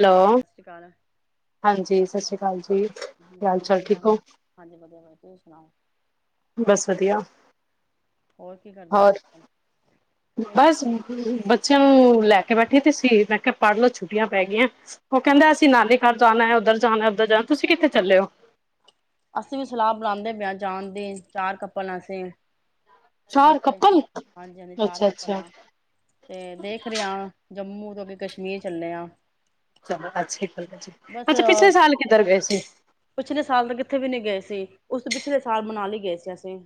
Hello, ਸਤਿ ਸ਼੍ਰੀ ਅਕਾਲ ਹਾਂਜੀ। ਸਤ ਸ਼੍ਰੀ ਕਾਲ ਜੀ। ਕੀ ਹਾਲ ਹੋਰ ਚਾਲ ਵਧੀਆ, ਠੀਕ ਹੋ ਹਾਂਜੀ ਵਧੀਆ ਬਾਈ ਤੂਸੀ ਸੁਣਾਓ? ਬਸ ਵਧੀਆ। ਹੋਰ ਕੀ ਕਰਦੇ ਸੀ ਅਜਕਲ? ਬਾਸ ਬੱਚਿਆਂ ਨੂੰ ਲੈ ਕੇ ਬੈਠੇ ਤੀ ਸੀ ਮੈਂ ਕਿਆ ਪੜ੍ਹ ਲੋ ਛੁੱਟੀਆਂ ਪੈ ਗੀਐ, ਔ ਕੈੰਦਾ ਅਸੀਂ ਨਾਨੀ ਘਰ ਜਾਣੈ ਔਧਰ ਜਾਣੈ ਔਧਰ ਜਾਣੈ, ਤੁਸੀਂ ਕਿੱਥੇ ਚੱਲੇ ਹੋ? ਅਸੀਂ ਵੀ ਸਲਾਹ ਬਣਾਂਦੇ ਪੇ ਆਂ ਜਾਣ ਦੀ ਚਾਰ ਕੱਪਲ ਆ ਅਸੀਂ। ਚਾਰ ਬੱਚੇ, ਕੱਪਲ ਹਾਂਜੀ ਹਾਂਜੀ ਚਾਰ ਅੱਛਾ ਕੱਪਲ ਅੱਛਾ ਆ। ਤੇ ਦੇਖ ਰਿਆ ਜੰਮੂ ਤੋਂ ਅਗੇ ਕਸ਼ਮੀਰ ਚੱਲੇ ਆ। ਚਲੋ ਅੱਛੀ ਗੱਲ ਹੈ ਜੀ ਬਸ, ਅੱਛਾ ਪਿਛਲੇ ਸਾਲ ਕਿੱਧਰ ਗਏ ਸੀ ਪਿਛਲੇ ਸਾਲ ਤੇ ਕਿੱਥੇ ਵੀ ਨ੍ਹੀਂ ਗਏ ਸੀ। ਉਸ ਤੋਂ ਪਿਛਲੇ ਸਾਲ ਮਨਾਲੀ ਗਏ ਸੀ ਅਸੀਂ।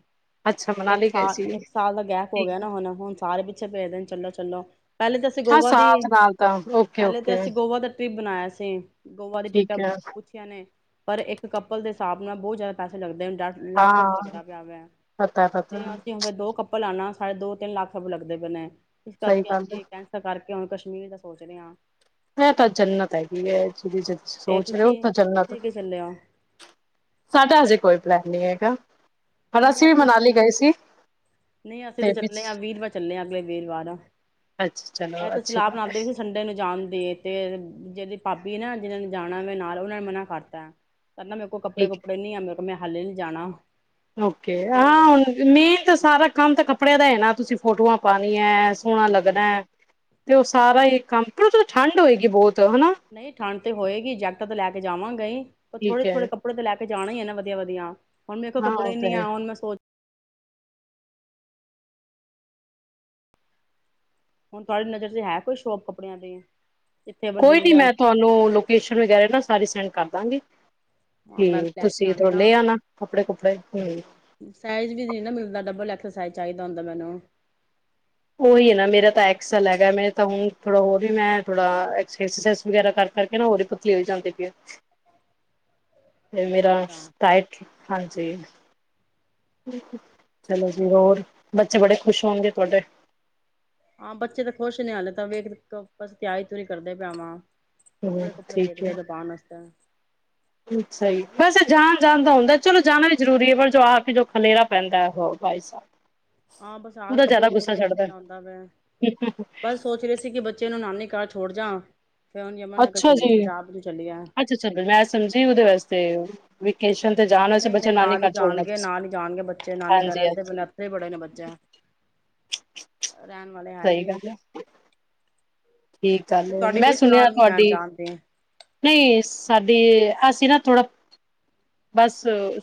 ਅੱਛਾ ਏਕ ਮਨਾਲੀ ਗਏ ਸਾਲ ਸੀ ਏਕ ਸਾਲ ਦਾ ਗੈਪ ਹੋ ਠੀਕ ਗਿਆ ਨਾ ਹੁਣ, ਹੁਣ ਸਾਰੇ ਪਿੱਛੇ ਪੇ ਦੇ ਨੇ ਚਲੋ। ਚਲੋ। ਹਾਂ, ਸਾਥ ਨਾਲ ਤਾਂ ਓਕੇ ਓਕੇ। ਟਰੀਪ ਬਣਾਆ ਸੀ। ਗੋਵਾ ਦੀ ਠੀਕ ਟਿਕਟਾਂ ਹੈ ਪੁੱਛੀਆਂ ਨੇ ਪਰ ਇੱਕ ਕੱਪਲ ਦੇ ਸਾਬ ਨਾਲ ਬੌਤ ਜੈਦਾ ਪੈਸੇ ਲੱਗਦੇਣ। ਡਟ ਲੱਖ ਰੂਪੇ ਹਾਂ ਲੱਗਦਾ ਪਿਆ ਵੈਂ ਪਤਾ ਪਤਾ ਤੇ ਅਸੀਂ ਹੁਣ ਫੇਰ ਦੋ ਕੱਪਲ ਆਨਾ। ਸਾਡੇ ਦੋ ਤਿੰਨ ਲੱਖ ਰੂਪੇ ਲੱਗਦੇ ਪੇਣੇ। ਇਸ ਸਹੀ ਕਰਕੇ ਗੱਲ ਅਸੀਂ ਕੈਂਸਲ ਕਰਕੇ ਹੁਣ ਕਸ਼ ਮੀਰ ਦਾ ਸੋਚ ਰੇ ਆਂ। ਐ ਤਾਂ ਜਨਤ ਹੈਗੀ ਏ। ਸੁਧੀ ਤੇ ਸੋਚ ਰੇ ਔ ਤੁਸੀਂ ਤਾਂ ਜਨਤ। ਤੁਸੀਂ ਕਿ ਚੱਲੇ ਹੋ ਸਾਡਾ ਹਜੇ ਕੋਈ ਪਲੈਨ ਨਹੀਂ ਹੈਗਾ। ਪਰ ਨਈ ਵੀ ਅਸੀਂ, ਮਨਾਲੀ ਗਏ ਸੀ ਨਈ ਅਸੀਂ ਤੇ ਚੱਲੇ ਆਂ ਵੀਰਵਾਰ ਚੱਲੇ ਆਂ ਅਗਲੇ ਵੀਰਵਾਰ, ਅੱਛਾ ਐ ਚਲੋ ਤਾਂ ਅੱਛੀ ਸਲਾਹ ਬਾਤ ਹੈ ਬਣਾਂਦੇ ਪੇ ਸੀ ਸੰਡੇ ਨੂੰ ਜਾਣ ਦੀ ਤੇ ਜੇੜੀ ਭਾਬੀ ਏ ਨਾ ਜਿਨਾਂ ਨੇ ਜਾਣਾ ਵੇ ਨਾਲ ਔਨਾਂ ਨੇ ਮਨਾ ਕਰਤਾ। ਕੈੰਦਾ ਮੇਰੇ ਕੋਲ ਕੱਪੜੇ ਠੀਕ ਹੈ ਕੁਪੜੇ ਨੀ ਐ ਮੇਰੇ ਮੈਂ ਹਾਲੇ ਨੀ ਜਾਣਾ। ਓਕੇ, ਤੇ ਹਾਂ ਹੁਣ ਮੇਨ ਤੇ ਸਾਰਾ ਕੰਮ ਤੇ ਕਪ ਕੱਪੜਿਆਂ ਦਾ ਹੈ ਨਾ ਤੁਸੀਂ ਫੋਟੋਆਂ ਪਾਣੀਆਂ ਸੋਹਣਾ ਲੱਗਦਾ ਹੂੰ, ਹੈ ਤੇ ਉਹ ਸਾਰਾ ਇਹ ਕੰਮ ਪਰ ਉਹ ਚੋਂ ਠੰਡ ਹੋਏਗੀ ਬਹੁਤ ਹਨਾ ਨਹੀਂ ਠੰਡ ਤੇ ਹੋਏਗੀ ਜੈਕਟਾਂ ਤੇ ਲੈ ਕੇ ਜਾਵਾਂਗੇ ਹੀ ਪਰ ਥੋੜੇ ਠੀਕ ਹੈ ਥੋੜੇ ਕੱਪੜੇ ਤੇ ਲੈ ਕੇ ੇ ਜਾਣਾ ਹੀ ਨਾ ਵਧੀਆ ਵਧੀਆ ਹੁ ਮੇਰੇ ਕੋ ਹਾਂ ਉਹ ਕੱਪੜੇ ਤਾਂ ਨ ਹੈ ਆਉਣਣ ਮ ਸੋਚ ਹੁਣ ਤੁਥਹਾਡੀ ਨਜ਼ਰ ਚ ਹੈ ਕੋਈ ਸ਼ੋਪ ਕੱਪੜਿਆਂ ਦੀ ਜਿੱਥੇ ਵੱਡੇ ਕੋਈ ਨੀ ਮੈਂ ਤੁਹਾਨੂੰ ਲੋਕੇਸ਼ਨ ਵਗੈਰਾ ਨਾ ਸਾਰੇ ਸੈਂਡ ਕਰ ਦਾਂਗੀ ਹਾਂ ਤੇ ਮੈਂ ਲੈ ਕੇ ਤੁਸੀਂ ਆਣੇ ਥੋੜਾ ਲੈ ਨਾ ਆਣਾ ਕੱਪੜੇ ਕੁਪੜੇ ਹੂੰ ਸਾਈਜ਼ ਵੀ ਨਹੀਂ ਨਾ ਮਿਲਦਾ ਡਬਲ ਲੈ ਫਸ ਚਾਹੀਦਾ ਹੁੰਦਾ ਮੈਨੂੰ ਉਹੀ ਹੈ ਨਾ ਮੇਰਾ ਤਾਂ ਐਕਸਲ ਹੈਗਾ ਮੇ ਤਾਂ ਹੁ ਥੋੜਾ ਹੋਰ ਵੀ ਮੈਂ ਥੋੜਾ ਵਗੈਰਾ ਕਰ ਕਰਕੇ ਨਾ ਹੋਰ ਪਤਲੀ ਹੋ ਜਾਂਦੀ ਪ ਤੇ ਮੇਰਾ ਅੱਛਾ, ਟਾਈਟ ਹਾਂਜੀ ਚਲੋ ਜੀ ਹੋਰ ਬੱਚੇ ਬੜੇ ਖੁਸ਼ ਹੋਣਗੇ ਤੁਹਾਡੇ ਹਾਂ ਬੱਚੇ ਤਾਂ ਖੁਸ਼ ਨ ਹੇ ਤਾਂ ਵੇਖ ਬ ਤਿਆਹੀ ਤ ਨ ਕਰਦੇ ਪਿਆਵਾਂ ਹੂੰ ਕੱਪੜੇ ਕੁੱਪੜੇ ਦੇਖਦੇ ਪਏ ਪਾਉਣ ਵਾਸਤੇ ਅੱਛਾ ਹੀ ਵੈਸੇ ਜਾਣ ਜਾਣ ਤਾਂ ਹੁੰਦਾ ਚਲੋ ਜਾਣਾ ਵੀ ਜ਼ਰੂਰੀ ਹੈ ਪਰ ਜੋ ਆ ਕੇ ਜੋ ਖਲੇਰਾ ਪੈਂਦਾ ਉਹ ਭਾਈ ਸਾਹਿਬ ਹਾਂ ਬਸ ਆ ਕੇ ਉਹਦਾ ਕੱਪੜੇ ਜ਼ਿਆਦਾ ਕੁੱਪੜੇ ਗੁੱਸਾ ਤੇ ਫੇ ਚੜਦਾ ਹਉਂਦਾ ਮੈਂ ਬਸ ਸੋਚ ਰਹੇ ਸੀ ਕਿ ਬੱਚੇ ਨੂੰ ਨਾਨੀ ਛੋੜ ਜਾ ਹੁਣ ਯਮੁਨਾ ਨਗਰ ਅੱਛਾ ਚੱਲੀ ਜੀ ਪੰਜਾਬ ਨੂੰ ਚੱਲੀ ਆ। ਅੱਛਾ ਚਲ ਮੈਂ ਸਮਝੀ ਦੇ ਵਾਸਤੇ ਵਿੱਚ ਨਹੀਂ ਨਹੀਂ ਨਾਲ ਹੀ ਜਾਣਗੇ ਨਾਲ ਹੀ ਜਾਣਗੇ ਬੱਚੇ ਨਾਨੀ ਕਰ ਹਾਂਜੀ ਦੇ ਮਨ ਹਾਂਜੀ ਇੱਥੇ ਬੜੇ ਨੇ ਬੱਚੇ ਰਹਿਣ ਵਾਲੇ ਹੈ ਹੀ ਸਹੀ ਨਹੀਂੀ ਗੱਲ ਹੈ ਠੀਕ ਗੱਲ ਮੈਂ ਸੁਣਿਆ ਹੈ ਤੁਹਾਡੀ ਜਾਣ ਦੀ ਨਹੀਂ ਸਾਡੀ ਅਸੀਂ ਨਾ ਥੋੜਾ ਬਸ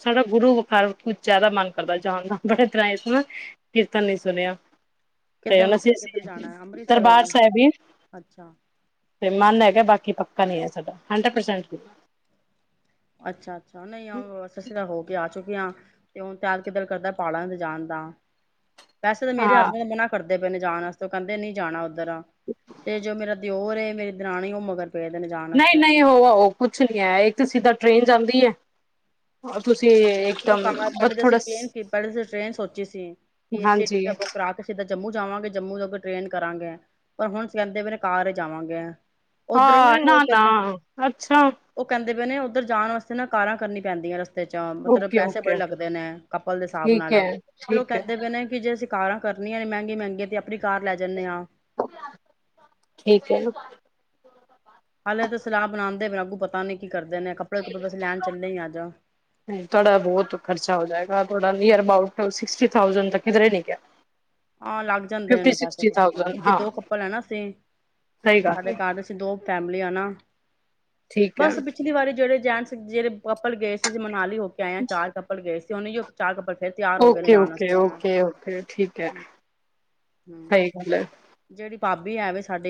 ਸਾਡਾ ਗੁਰੂ ਵੁਖਾਰ ਕੁਝ ਜ਼ਿਆਦਾ ਮਨ ਕਰਦਾ ਜਾਣ ਦਾ ਬੜੇ ਤਰ੍ਹਾਂ ਇਸ ਨਾ ਕੀਰਤਨ ਨਹੀਂ ਸੁਣਿਆ ਤੇ ਕਿੱਧਰ ਉਹ ਸੀ ਮਤਲਬ ਕਿੱਧਰ ਅਸੀ ਜਾਣਾ ਹੈ, ਅੰਮ੍ਰਿਤਸਰ ਦਰਬਾਰ ਵਗੈਰਾ ਸਾਹਿਬ ਹੀ ਅੱਛਾ ਤੇ ਮਨ ਲੈ ਗਿਆ ਬਾਕੀ ਪ ਨਹੀਂ ਹੈ ਸਾਡਾ ਹੰਡਰਡ ਪਰਸੈਂਟ ਅੱਛਾ ਚ ਨਹੀਂ ਆ ਅ ਅਸੀਂ ਤਾਂ ਹੋ ਕੇ ਆ ਚੁੱਕੇ ਹਾਂ ਤੇ ਹੁਣ ਤਿਆਰ ਕਿੱਧਰ ਕਰਦਾ ਪਾਲਾਂ ਜਾਣ ਦਾ ਵੈਸੇ ਤਾਂ ਮੇਰੇ ਹਾਂ ਹਸਬੈਂ ਦਾ ਮਨਾ ਕਰਦਾ ਪ ਜਾਣ ਵਸ ਤੋਂ ਕਹਿੰਦੇ ਨ ਨਹੀਂ ਜਾਣਾ ਤੇ ਜੋ ਮੇਰਾ ਦਿਓਰ ਮੇਰੀ ਦਰਰਾਣੇ ਉਹ ਮਗਰ ਪਏ ਦੇ ਨੇ ਜਾਣ ਨਹੀਂ ਵਾਸਤੇ ਨਹੀਂ ਉਹਹ ਕੁਛ ਨਹੀਂ ਹੈ ਇੱਕ ਤਾਂ ਸਿੱਧਾ ਟ੍ਰੇਨ ਜਾਂਦੀ ਹੈ ਤੁਸੀਂ ਅਸੀਂ ਇੱਕਦਮ ਤਾਂਮ ਪਹਿਲੇ ਬਸ ਤਾਂ ਅਸੀਂ ਥੋੜਾ ਟ੍ਰੇਨ ਪਹਿਲੇ ਤਾਂ ਅਸੀਂ ਟ੍ਰੇਨ ਸੋਚੀ ਸੀ ਕਿ ਏਸੀ ਹਾਂਜੀ ਟਿਕਟਾਂ ਬੁੱਕ ਕਰਾ ਕੇ ਸਿੱਧਾ ਜੰਮੂ ਜਾਵਾਂਗੇ ਜੰਮੂ ਤੋਂ ਟ੍ਰੇਨ ਕਰਾਂਗੇ ਪਰ ਹੁਣ ਕਹਿੰਦੇ ਵੀਰੇ ਘ ਜਾਵਾਂਗੇ ਉੱਧਰ ਹਾਂ ਨਾ ਉਹ ਕਹਿੰਦਾ ਨਾ ਅੱਛਾ ਉਹ ਕਹਿੰਦੇ ਪਏ ਨੇ ਉੱਧਰ ਜਾਣ ਵਾਸਤੇ ਨਾ ਕਾਰਾਂ ਕਰਨੀਆਂ ਪੈਂਦੀਆਂ ਰਸਤੇ ਚ ਮਤਲਬ ਓਕੇ ਪੈਸੇ ਓਕੇ ਬੜੇ ਲੱਗਦੇ ਨੇ ਕਪਲ ਦੇ ਹਿਸਾਬ ਠੀਕ ਨਾਲ ਹੈ ਫੇਰ ਉਹ ਠੀਕ ਹੈ ਕਹਿੰਦੇ ਪਏ ਨੇ ਕਿ ਜੇ ਅਸੀ ਕਾਰਾਂ ਕਰਨੀਆਂ ਨੇ ਮਹਿੰੀਆਂ ਮਹਿੰਗੀਆਂ ਤੇ ਆਪਣੀ ਕਾਰ ਲੈ ਜਾਂਦੇ ਹਾਂ ਠੀਕ ਹੈ ਹਾਲੇ ਤਾਂ ਸਲਾਹ ਬਣਾਉਂਦੇ ਬ ਰਾਗੂ ਪਤਾ ਨੀ ਕਰਦੇ ਨੇ ਕੱਪੜੇ ਕੁੱਪੜੇ ਬਸ ਲੈਣ ਚੱਲੇ ਹੀ ਅੱਜ। ਥੋੜਾ ਬਹੁਤ ਖਰਚਾ ਹੋ ਜਾਏਗਾ ੜ ਨੀਅਰ ਅਬਾਟ ਸਿਕਸਟੀ ਥਾਸੈਂ ਤੱਕ ਨ ਹਾਂ ਲੱਗ ਜਾਂਦੇ ਨੇ ਪੈਸੇ ਪੂਸੇ ਤਾਂ ਕਿਿ ਹਾਂ ਦੋ ਕੱਪਲ ਹੈ ਨਾ ਸੀ ਸਹੀ ਸਾਡੇ ਗੱਲ ਘਰ ਦੀ ਸੀ ਦੋ ਫੈਮਲੀ ਆ ਨਾ ਠੀਕ ਹੈ ਬਸ ਪਿਛਲੀ ਵਾਰੀ ਜਿਹੜੇ ਜਾਣ ਜਿਹੜੇ ਕਪਲ ਗਏ ਸੀ ਮਨਾਲੀ ਹੋ ਆਇ ਚਾਰ ਕੱਪੜ ਗਏ ਸੀ ਤੇ ਉਹ ਚਾਗੱ ਓਕੇ ਓਕੇ ਓਕੇ ਓਕੇ ਠੀਕ ਸਹੀ ਗੱਲ ਜਿਹੜੀ ਭਾਬੀ ਹੈ ਵੀ ਸਾਡੀ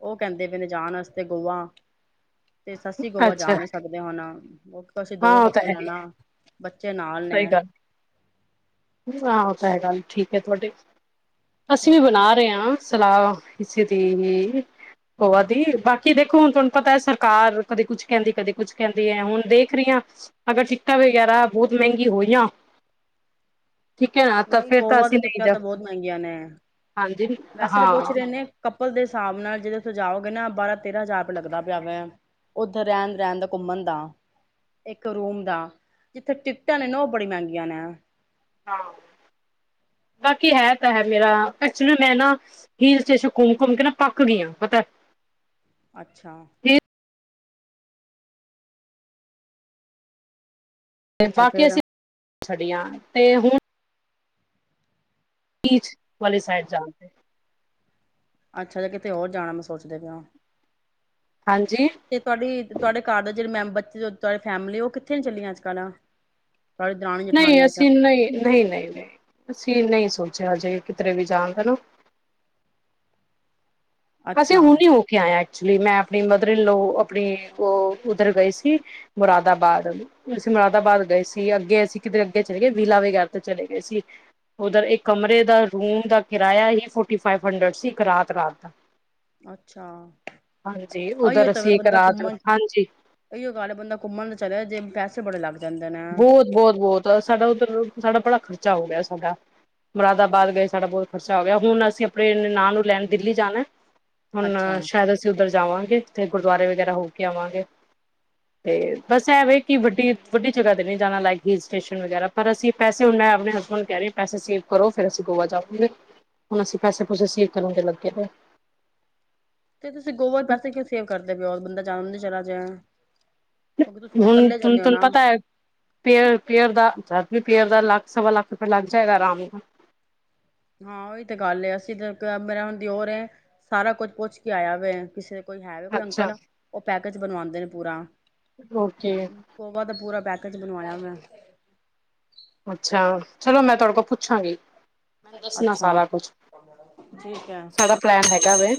ਉਹ ਕਹਿੰਦੇ ਵੀ ਨਜਣ ਵਾਸਤੇ ਗੋਆ ਤੇ ਸੱਸੀ ਗੋਆ ਅੱਛਾ ਜਾ ਨੀ ਸਕਦੇ ਹੁਣ ਉਹ ਅਸੀਂ ਹਾਂ ਦੋ ਉਹ ਤਾਂ ਕੱਪੜ ਹੈ ਲੈਣਾ ਬ ੱਚੇ ਨਾਲ ਨੇ ਆਹੋ ਤਾਂ ਹੈ ਗੱਲ ਠੀਕ ਹੈ ਤੁਹਾਡੀੇ ਅਸੀਂ ਵੀ ਹੋਰ ਬਣਾ ਰਹੇ ਹਾਂ ਸਲਾਹ ਕਿਸੇ ਦੀ ਹੋਵਾ ਦੀ ਬਾਕੀ ਦੇਖੋ ਹੁਣ ਤੁਹਾਨੂੰ ਪਤਾ ਸਰਕਾਰ ਕਦੇ ਕੁਛ ਕਹਿੰਦੀ ਕਦੇ ਕੁਛ ਕਹਿੰਦੀ ਹੈ ਹੁਣ ਦੇਖ ਰਹੀ ਹ ਅਗਰ ਟਿਕਟਾਂ ਵਗੈਰਾ ਬਹੁਤ ਮਹਿੰਗੀ ਹੋਈਆਂ ਠੀਕ ਹੈ ਨਾ ਤਾਂ ਨਹੀਂ ਫੇਿਰ ਤਾਂ ਗੋਆ ਦੀ ਅਸੀਂ ਨਹੀਂ ਟਿਕਟਾਂ ਜਾਓ ਤਾਂ ਬਹੁਤ ਮਹਿੰਗੀਆਂ ਨੇ ਹਾਂਜੀ ਵੈਸੇ ਤਾਂ ਹਾਂ ਪੁੱਛ ਰਹੇ ਨੇ ਕਪਲ ਦੇ ਹਿਸਾਬ ਨਾਲ ਜਿਦੋਂ ਜਾਓਗੇ ਨਾ ਬਾਰਾਂ ਤੇਰਾ ਜਾਪ ਲੱਗਦਾ ਪਿਆ ਵਾ ਉੱਧਰ ਰਹਿਣ ਰਹਿਣ ਦਾ ਘੁੰਮਣ ਦਾ ਇੱਕ ਰੂਮ ਦਾ ਜਿੱਥੇ ਟਿਕਟਾਂ ਨੇ ਨਾ ਉਹ ਬੜੀਆਂ ਮਹਿੰਗੀਆਂ ਨੇ ਹਾਂ ਬਾਕੀ ਹੈ ਤਾਂ ਹੈ ਮੇਰਾ ਐਕਚੁਲੀ ਮੈਂ ਨਾ ਹਲ ਸਟੇਸ਼ਨ ਘੁੰਮ ਘੁੰਮ ਕੇ ਨਾ ਪੱਕ ਗਈ ਹ ਪਤਾ ਅੱਛਾ ਤੇ ਅੱਛਾ ਬਾਕੀ ਫੇਰ ਅਸੀਂ ਸਾਡੀਆਂ ਤੇ ਹੁਣ ਪੀਚ ਵਾਲੀ ਸਾਈਡ ਜਾਣਦੇ ਅੱਛਾ ਜ ਕਿਤੇ ਹੋਰ ਜਾਣਾ ਮੈਂ ਸੋਚਦੇ ਪਿਆ ਹਾਂਜੀ ਤੇ ਤੁਹਾਡੀ ਤੁਹਾਡੇ ਘਰ ਦੇ ਜਿਹੜੇ ਮੈਂਬਰ ਤੁਹਾਡੀ ਫੈਮਿਲੀ ਉਹ ਕਿੱਥੇ ਚੱਲ ਅੱਜ ਕੱਲ੍ਹ ਆ ਨਹੀਂ ਅਸੀਂ ਨਹੀਂ ਨਹੀਂ ਨਹੀਂ ਨਹੀਂ ਅਸੀਂ ਨਹੀਂ ਸੋਚਿਆ ਹਜੇ ਕਿਧਰੇ ਵੀ ਜਾਣ ਦਾ ਨਾ ਅਸੀਂ ਅੱਛਾ ਹੁਣ ਹੀ ਹੋ ਕੇ ਆਇਆ ਐਚੁਲੀ ਮੈਂ ਆਪਣੀ ਮਦਰ ਇਲੋ ਆਪਣੀ ਉਧਰ ਗਏ ਸੀ ਮੁਰਾਦਾਬਾਦ ਅਸੀਂ ਮੁਰਾਦਾਬਾਦ ਗਏ ਸੀ ਅੱਗੇ ਅਸੀਂ ਕਿ ਅਗੇ ਚਲੇ ਗਏ ਵਿਲਾ ਵਗੈਰਾ ਤੇ ਚਲੇ ਗਏ ਸੀ ਉਧਰ ਕਮਰੇ ਦਾ ਰੂਮ ਦਾ ਕਿਰਾਇਆ ਹੀ ਫ ਹਡ ਸੀ ਰਾ ਰਾਤ ਦਾ ਅੱਛਾ ਹਾਂਜੀ ਇਹੀਓ ਉਧਰ ਤਾਂਵੇ ਅਸੀਂ ਇੱਕ ਬੰਦਾ ਰਾਤ ਘੁੰਮਣ ਹਾਂਜੀ ਇਹੀਓ ਗੱਲ ਹੈ ਬੰਦਾ ਘੁੰਮਣ ਤੇ ਚੱਲਿਆ ਜੇ ਪੈਸੇ ਬੜੇ ਲੱਗਦੇ ਬਹੁਤ ਬਹੁਤ ਬਹੁਤ ਸਾਡਾ ਉੱਧਰ ਸਾਡਾ ਭੜਕ ਖਰਚਾ ਹੋ ਗਿਆ ਸਾਡਾ ਮੁਰਾਦਾਬਾਦ ਗਏ ਸਾਡਾ ਬਹੁਤ ਖਰਚਾ ਹੋ ਗਿਆ ਹੁਣ ਅਸੀਂ ਆਪਣੇ ਨਾਂ ਨੂੰ ਲੈਣ ਦਿੱਲੀ ਜਾਣਾ ਹੁਣ ਅੱਛਾ ਸ਼ਾਇਦ ਅਸੀਂ ਉੱਧਰ ਜਾਵਾਂਗੇ ਥੇ ਗੁਰਦੁਆਰੇ ਵਗੈਰਾ ਹੋ ਕੇ ਆਵਾਂਗੇ ਤੇ ਬਸ ਐਵੇ ਕਿ ਵੱਡੀ ਵੱਡੀ ਜਗ੍ਹਾ ਤੇ ਨ ਨਹੀਂ ਜਾਣਾ ਲਕ ਹਲ ਸਟੇਸ਼ਨ ਵਗੈਰਾ ਪਰ ਅਸੀਂ ਪੈਸੇ ਹੁੰ ਆਪਣੇ ਹਸਬੈਂਡ ਕਹਿ ਰਹੇ ਪੈਸੇ ਸੀਵ ਕਰੋ ਫਿਰ ਅਸੀਂ ਗੋਆ ਜਾਵਾਂਗੇ ਹੁਣ ਅਸੀਂ ਪੈਸੇ ਪੂਸੇ ਸੀਵ ਕਰਾਂਗੇ ਲੱਗੇ ਦੇ ਤੇ ਤੁਸੀਂ ਗੋਬ ਪੈਸੇ ਕਿਉਂ ਸੇਵ ਕਰਦੇ ਪ ਹੋ ਬੰਦਾ ਜਾਣਦੇ ਚਲਾ ਜਾ ਹੁਣ ਤੈਨੂੰ ਪਤਾ ਹੈ ਪੇਅਰ ਪੇਅਰ ਦਾ ਪੇਅਰ ਦਾ ਲੱਖ ਸਵਾ ਲੱਖ ਰੁਪਆ ਲੱਗ ਜਾਏਗਾ ਆਰਾਮ ਕੋ ਹਾਂ ਉਹੀ ਤੇ ਗੱਲ ਅਸੀਂ ਤਾਂ ਮੇਰਾ ਹੁਣ ਦੀ ਹੋਰ ਸਾਰਾ ਕੁੱਝ ਪੁੱਛ ਕੇ ਆਇਆ ਵ ਕਿਸੇ ਕੋਈ ਹੈਵੇ ਕੋਈ ਅੱਛਾ ਅੰਕਲ ਉਹ ਪੈ ਚ ਬਣਵਾਉਂਦੇ ਨੇ ਪੂਰਾ ਓਕੇ ਉਹ ਦਾ ਬੂਰਾ ਬੈ ਚ ਬਣਵਾਣਾਿਆ ਵੈਂ ਅੱਛਾ ਚਲੋ ਮੈਂ ਤੁਹਾਡੇ ਕੋਲ ਪੁੱਛਾਂਗੀ ਮੈਨੂੰ ਦੱਸਣਾ ਅੱਛਾ ਸਾਰਾ ਕੁਛ ਸਾਡਾ ਪਲੈਨ ਹੈਗਾ ਕਿਵੇ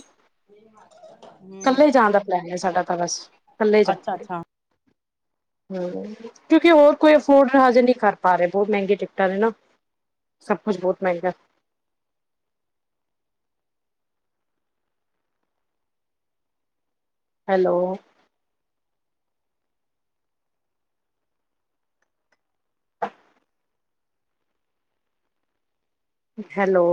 ਪਲੈਨ ਹੈ ਸਾਡਾ ਹਮ ਤਾਂ ਬਸ ਥੱਲੇ ਜਾ ਹਮ ਕਿਉਂਕਿ ਹੋਰ ਕੋਈ ਅਫੋਰਡਹਾਜ ਨਹੀਂ ਕਰ ਪਾ ਰਹੇ ਬਹੁਤ ਮਹਿੰਗੀਆਂ ਟਿਕਟਾਂ ਨੇ ਨਾ ਸਭ ਕੁਛ ਬਹੁਤ ਮਹਿੰਗਾ ਹੈਲੋ ਹੈਲੋ